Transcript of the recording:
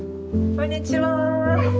こんにちは。